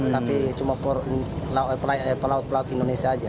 tapi cuma pelaut pelaut indonesia aja